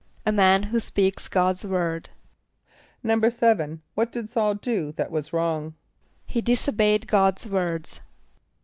=A man who speaks God's word.= =7.= What did S[a:]ul do that was wrong? =He disobeyed God's words.